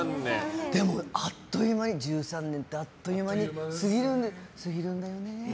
でもあっという間よ、１３年ってあっという間に過ぎるんだよね。